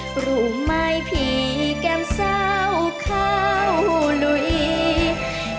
กลุ่มไม้พี่แก้มแซวเข้าลุย